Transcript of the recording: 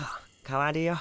代わるよ。